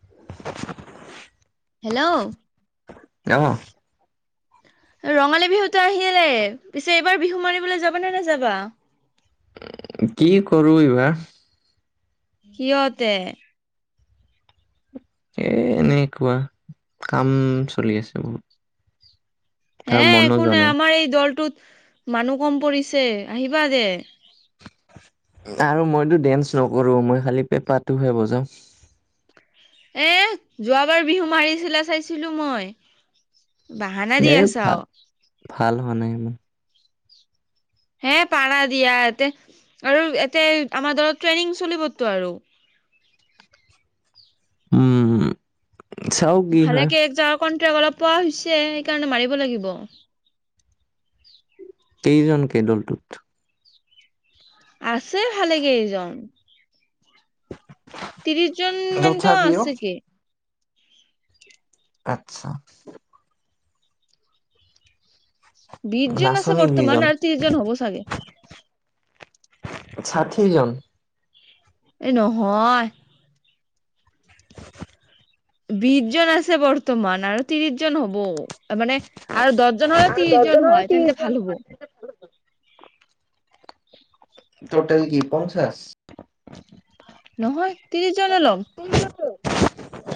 [inaudible] Hello. অঁ। ৰঙালী বিহুতো আহিলেই, পিছে এইবাৰ বিহু মাৰিবলৈ যাবা নে নাযাবা? কি কৰো এইবা? কিয় তে? এ এনেকুৱা কাম চলি আছে বহুত। হে আৰু মনো একো যোৱা নাই আমাৰ এই দলটোত মানুহ কম পৰিছে, আহিবা দে। না আৰু মইতো ডেন্স নকৰো মই খালি পেপাটোহে বজাওঁ। এ যোৱাবাৰ বিহু মাৰিছিলা চাইছিলো মই। বাহানা দি এই আছা ভাল অ ভাল হোৱা নাই। উম [inaudible] হে পাৰা দিয়া এতে আৰু ইয়াতে আমাৰ দলত ট্ৰেইনিং চলিবতো আৰু। উম। চাও কি হয় ভালেকে এক জগ কন অলপ পোৱা হৈছে সেইকাৰণে মাৰিব লাগিব। কেইজনকে দলটোত? আছে ভালেকেইজন। ত্ৰিশ জন মান তো তথাপিও আছে কে। আচ্ছা। বিশজন আছে নাচনী বৰ্তমান কেইজন আৰু ত্ৰিজন হ'ব চাগে। ষাঠিজন। এই নহয়। বিশ জন আছে বৰ্তমান আৰু ত্ৰিশ জন হ'ব। মানে আৰু দহজন হয় ত্ৰিজন হয় তেন্তে ভাল হ'ব। টোটেল কি পঞ্চাছ? নহয় ত্ৰিছজনে ল'ম।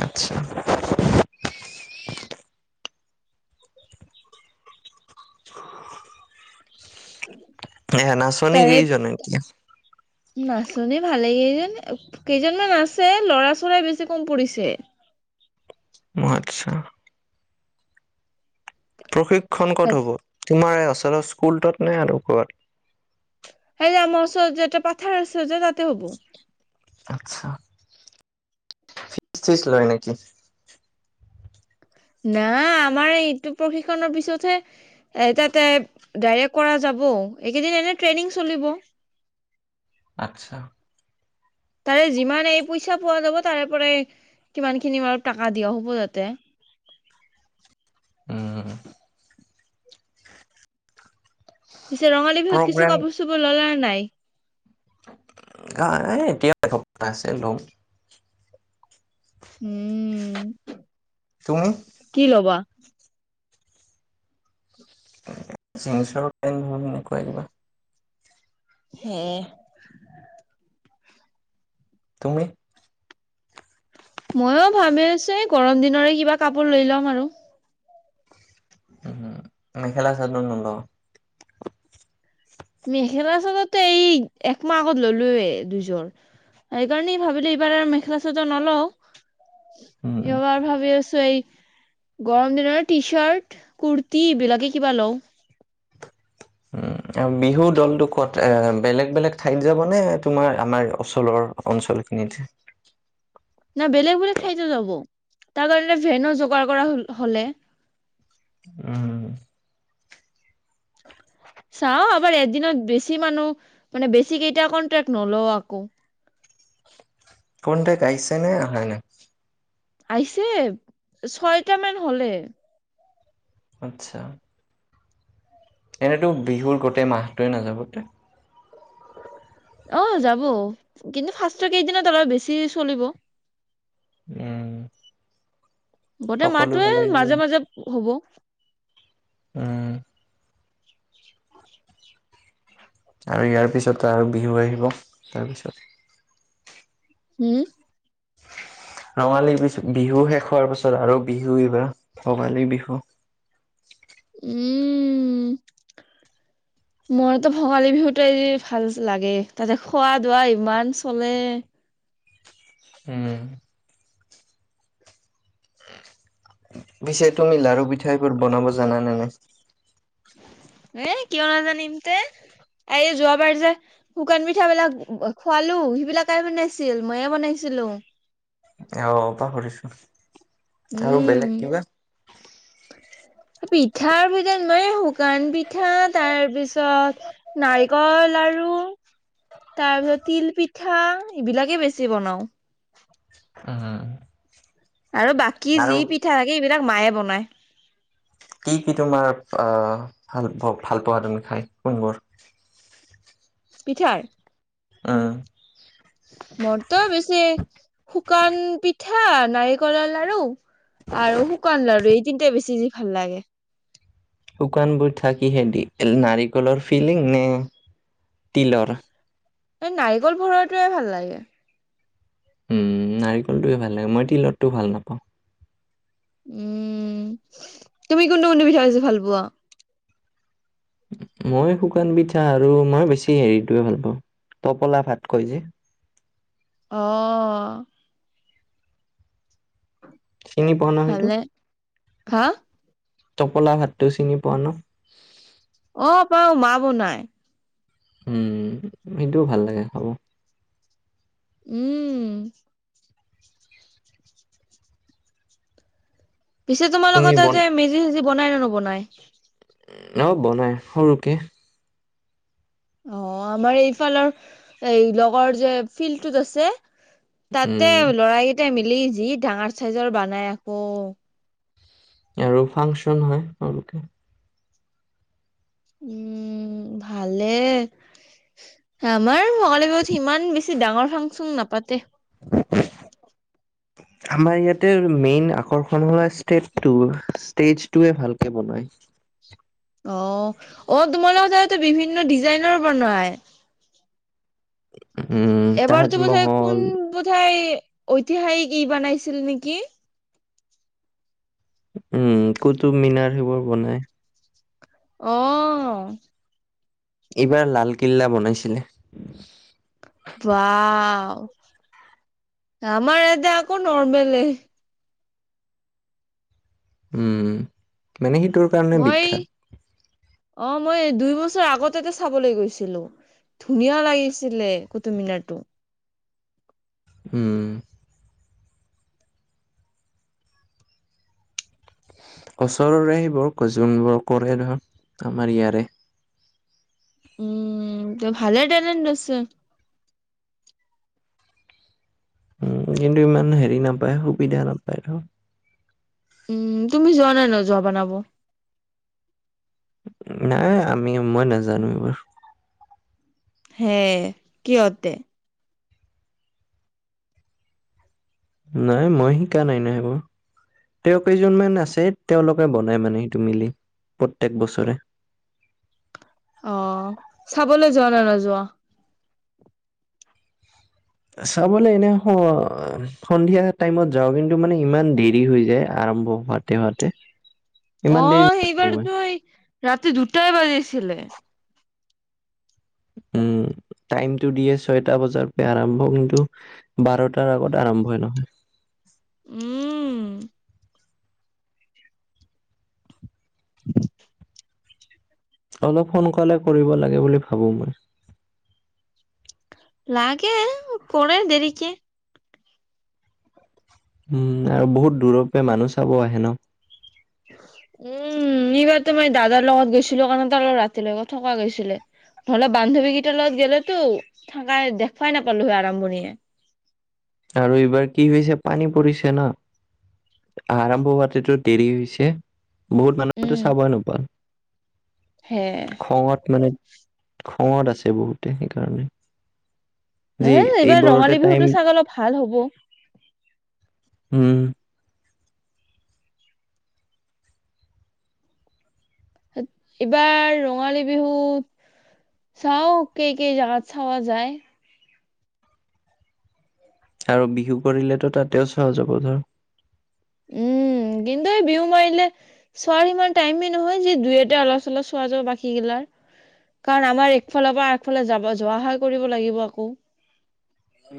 আচ্ছা। [unintelligible] এয়া নাচনি কেইজন এতিয়া? নাচনি ভালেই কেইজন কেইজনমান আছে ল'ৰা চৰা বেছি কম পৰিছে। অ' আচ্ছা। প্ৰশিক্ষণ ক'ত হব তোমাৰে আ তাতে স্কুলটোত নে আৰু ক'ত। সেই আমাৰ ওচৰতে যে এটা পাথাৰ আছে যে তাত আচ্ছা ফিচ চিচ লয় নেকি? না আমাৰ এইটো প্ৰশিক্ষনৰৰ পিছতহে এ তাতে ডাইৰেক্ট কৰা যাব, এইকেইদিন এনেই ট্ৰেইনিং চলিব। আচ্ছা। তাৰে যিমান এই পইচা পোৱা যাব তাৰে পৰাই কিমান খিনি অলপ টাকা দিয়া হ'ব তাতে। উহ। পিছে ৰঙালী বিহুত কিছু কাপোৰ চাপোৰ ললা? নাই [unintelligible] উম, তুমি কি ল'বা? জিঞ্চৰ পেন্টবোৰ এনেকুৱাই কিবা হে তুমি? ময়ো ভাবি আছোঁ এই গৰম দিনৰে কিবা কাপোৰ লৈ লম আৰু। উম, মেখেলা চাদৰ [unintelligible] মেখেলা, চাদৰতো এই একমাহ আগত ল'লোয়েই দুইযোৰ, সেইকাৰণেই ভাবিলোঁ এইবাৰ আৰু মেখেলা চাদৰ ন'লও। উম, এইবাৰ ভাবি আছোঁ এই গৰম দিনৰ টিচাৰ্ট, কুৰ্তি এইবিলাকে কিবা লওঁ। উম, আৰু বিহু দলটো ক'ত এ, বেলেগ, বেলেগ ঠাইত যাবনে, তোমাৰ আমাৰ ওচৰৰ অঞ্চলখিনিত? না, বেলেগ, বেলেগ ঠাইতো যাব। তাৰ কাৰণে ভেনো যোগাৰ কৰা হ-হ'লে। উম। চাওঁ, আমাৰ এদিনত বেছি মানুহ, মানে বেছি কেইটা কনট্ৰাক্ট ন'লও আকৌ। কন্ট্ৰেক্ট আহিছেনে, আহা নাই? আহিছে, ছয়টামান হ'লেই। আতছা। এনেতো বিহুৰ গোটেই মাহটোৱে নাযাব তে অ', যাব, কিন্তু ফাৰ্ষ্টৰ কেইদিনত অলপ বেছি চলিব। উম। গোটেই সকলো মাহটোয়েই ফালে মাজে, মাজে হ'ব। [inaudible] [inaudible] আৰু ইয়াৰ পিছত তো আৰু বিহু আহিব, তাৰপিছত উম? ৰঙালী বিহু শেষ হোৱাৰ পাছত আৰু বিহু এইবাৰ, ভোগালী বিহু। উম। মৰতো ভোগালী বিহুতোৱে যি ভাল লাগে, তাতে খোৱা-দোৱা ইমান চলে। উম। পিছে তুমি লাৰু পিঠা এইবোৰ বনাব জানা নে নাই? এ কিয় নাজানিম তে, এই যোৱাবাৰ যে শুকান পিঠাবিলাক খোৱালো, সেইবিলাক কাই বনাইছিল, মইয়ে বনাইছিলোঁ। অ, পাহৰিছো। আৰু উম বেলেগ কিবা? পিঠাৰ ভিতৰত মই শুকান পিঠা, তাৰ পিছত নাৰিকল লাৰু, তাৰপিছত তিল পিঠা, এইবিলাকেই বেছি বনাও। উম, হু। আৰু বাকী যি পিঠা থাকে এইবিলাক মায়ে বনায়। কি কি তোমাৰ অহ ভাল ভালপোৱা তুমি খায়। কোনবোৰ? মিঠাই? অহ। এ শুকান পিঠা, নাৰিকলৰ লাৰু আৰু শুকান লাৰু এই তিনটাই বেছি যি ভাল লাগে। শুকানবোৰ থাকিহে দি নাৰিকলৰ ফিলিং নে তিলৰ। এই নাৰিকল ভৰোৱাটোৱে ভাল লাগে। উম, নাৰিকলটোৱেই ভাল লাগে, মই তিলতটো ভাল নাপাওঁ। উম, তুমি কোনটো কোনটো পিঠা বেছি ভাল পোৱা? মই শুকান পিঠা আৰু মই বেছি হেৰিটোৱে ভাল পাওঁ তপলা ভাত কয় যে। অ। চিনি পোৱা ন সেইটো। ভালে হা টোপোলা ভাতটো চিনি পোৱা ন? অ', পাওঁ। মা বনাই। উম সেইটোও ভাল লাগে খাব। উম। পিছে তুমি তোমালোকৰ বন তাতে মেজি-চেজি বনাই ন নবনাই অ বনাই সৰুকে অ আমাৰ এইফালৰ এই লগৰ যে ফিল্ড টোত আছে তাতে উম, লৰাই তে মিলি যি ডাঙৰ চাইজৰ বনাই আকৌ আৰু ফাংচন হয় তেওঁলোকে উম ভালে আমাৰ ৰাঙলী বিহুত ইমান বেছি ডাঙৰ ফাংচন নাপাতে আমাৰ ইয়াতে মেইন আকৰ্ষণ হল ষ্টেজটো ষ্টেজটোৱে ভালকে বনায় অ অ তোমাৰ লোকৰ তাতে বিভিন্ন ডিজাইনৰ বনাই উম, এবাৰতো বোধাই কোন তাজমহল বোধায় ঐতিহাসিক ই বনাইছিল নেকি উম কুটো মিনাৰ সেইবোৰ বনাই অ এইবাৰ লালকিল্লা বনাইছিলে বাও আমাৰ এতে আকৌ নৰ্মেলে উম মানে সেইটোৰ কাৰণে মই বিখ্যাত অ মই দুই বছৰ আগতেতে চাবলৈ গৈছিলো ধুনীয়া লাগিছিলে কুতুম মিনাৰটো উম ওচৰৰে সেই বোৰ ক যোনবোৰ কৰে ধৰ আমাৰ ইয়াৰে উম ত ভালে টলেণ্ট আছে উম কিন্তু ইমান হেৰি নাপায় সুবিধা নাপায় আৰু উম তুমি যোৱা নাই ন যোৱা বনাব নাই আমি মই নাজানো এইবাৰ হে কি অতে নাই মই শিকা নাই নাই এইবাৰ তেওঁ কেইজনমান আছে তেওঁওলোকে বনাই মানে সেইটো মিলি প্ৰত্যক বছৰে অ চাবলৈ যোৱা নে নোযোৱা চাবলৈ এনে সন্ধিয়া টাইমত যাওঁ কিন্তু মানে ইমান দেৰি হৈ যায় আৰম্ভ হোৱাতে হোৱাতে ইমান দেৰি অ' নাথাকো মই সেইবাৰতো এই ৰাতি দুটাই বাজিছিলে। উম, টাইমতটো দিয়ে ছয়টা বজাৰ পৰা আৰম্ভ কিন্তু বাৰটাৰ আগত আৰম্ভই নহয়। উম। [inaudible] অলপ সোনকালে কৰিব লাগে বুলি ভাবো। লাগে কৰে দেৰিকে উম আৰু বহুত দূৰৰ পৰা মানুহ চাব আহে ন' উম, এইবাৰ তো মই দাদাৰ লগত গৈছিলো কাৰণে তাৰ লগত ৰাতিলৈত থকা গৈছিলে, নহ'লে বান্ধৱী কেইটাৰ লগত গ'লেতো থাকাই দেখভাই নাপালোহি আৰম্ভণিয়ে আৰু এইবাৰ কি হৈছে পানী পৰিছে ন' আৰম্ভ হতেতো দেৰি হৈছে, বহুত মানুহো উম, চাবই নোপাৱা হে খঙত মানে খঙত আছে বহুতে সেইকাৰণে যে এই এইবাৰ এইবোৰতে ৰঙালী টাইম বিহুতটো ছাগলপ ভাল হ'ব। উম। এইবাৰ ৰঙালী বিহুত চাও, কেই-কেই জাগাত চাৱা যায়। আৰু বিহু কৰিলেতো তাতেও চোৱা যাব ধৰ। উম, কিন্তু এই বিহু মাৰিলে চোৱাৰ ইমান টাইমেই নহয়, যি দুই, এটা অলপ চলপ চোৱা যাব বাকীগিলাৰ, কাৰণ আমাৰ একফালৰ পৰা আগফালে যাব যোৱা -অহা কৰিব লাগিব আকৌ।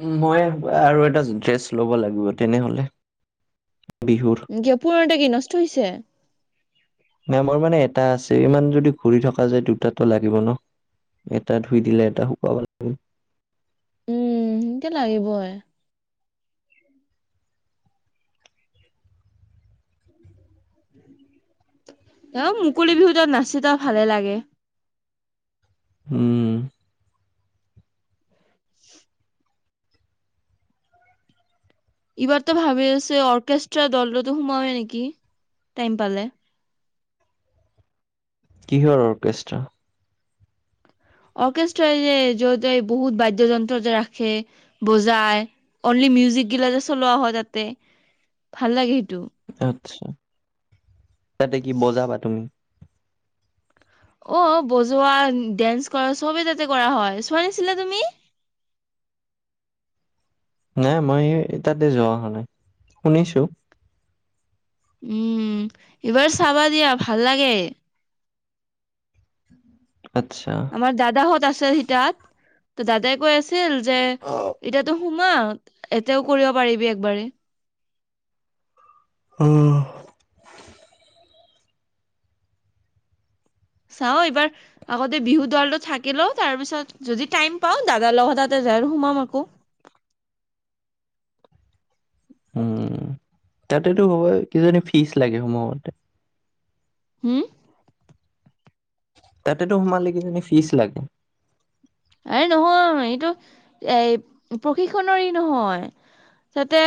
উ মই আৰু এটা ড্ৰেছ ল'ব লাগিব তেনেহলে। বিহুৰ [unintelligible] অ পূৰণাতো কি নষ্ট হৈছি। [unintelligible] মেমৰ মানে এটা আছে, ইমান যদি ঘূৰি থকা যায় দুটাটো লাগিব ন' এটা ধুই দিলে এটা শুকাব লাগিব। উম, সিটো লাগিবই। অ' মুকলি বিহুত নাচি তা ভালে লাগে উম। [unintelligible] ইবাৰতো ভাবি আছে অৰ্কেষ্ট্ৰা দলটো সোমাৱে নেকি টাইম পালে। কিহৰ অৰ্কেষ্ট্ৰা অৰ্কেষ্ট্ৰাই যে য'ত বহুত বাদ্য যন্ত্ৰ যে ৰাখে বজাই, অনলি মিউজিক গিলা যে চলোৱা হয় তাতে, ভাল লাগে সেইটো। আচ্ছা। তাতে কি বজাবা তুমি। অ' বজোৱা, ডেন্স কৰা চবে তাতে কৰা হয়, চোৱা নিছিলা তুমি। নাই মই তাতে যোৱা হোৱা নাই শুনিছো। উম, এইবাৰ চাবা দিয়া ভাল লাগে। আচ্ছা আমাৰ দাদাহত আছে সি তাত ত দাদাই কৈ আছে। ছিল যে অ এতিয়াতো সোমা এতিয়াও কৰিব পাৰিবি একবাৰে। অ'। চাও, এইবাৰ আগতে বিহু দলটো থাকি লও, তাৰ পিছত যদি টাইম পাও দাদাৰ লগত তাতে যায় আৰু সোমাম আকৌ। উম, তাতেতো হ'ব কিজনী ফিজ লাগে সোমাওতে। হম। তাতেতো সোমালে কিজানি ফিচ লাগে। এই নহয়, এইটো এ প্ৰশিক্ষনৰৰ নহয়, তাতে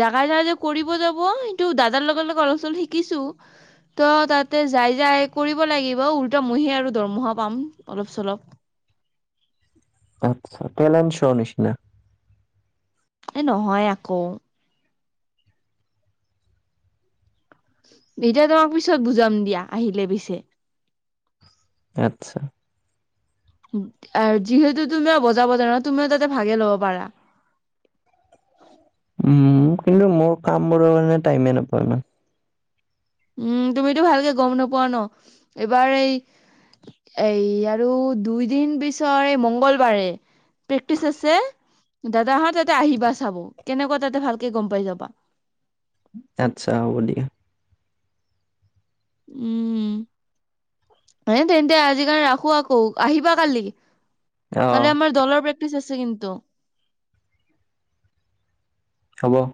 জাগা- জাগাই যে কৰিব যাব, সেটো দাদাৰ লগে লগে অলপ চলপ শিকিছো ত' তাতে যাই-যাই কৰিব লাগিব উলোটা মইহে আৰু দৰমহা পাম অলপ- চলপ। টেলেণ্ট শ্ব' নিচিনা। এ নহয় আকৌ এতিয়া তোমাক পিছত বুজাম দিয়া আহিলে পিছে। আচ্ছা। যিহেতু তুমি আৰু বজ-বজাৰ নহ, তুমিও তাতে ভাগে লব পাৰা। উম, কিন্তু মোৰ কামবোৰৰ কাৰণে টাইমে নাপাও ইমান। উম তুমিতো ভালকে গম নোপোৱা ন, এইবাৰ এই, এই আৰু দুইদিন পিছৰ এই মংগলবাৰে, প্ৰেক্টিচ আছে, দাদাহাৰ তাতে আহিবা চাব, কেনেকুৱা তাতে ভালকে গম পাই যাবা। আচ্ছা হ'ব দিয়া। উম, এ তেন্ততে আজিকাৰণে ৰাখো আকৌ আহিবা কালি। অ', কালি আমাৰ দলৰ প্ৰেক্টিচ আছ [unintelligible] কিন্তু। হ'ব।